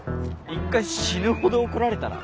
一回死ぬほど怒られたら？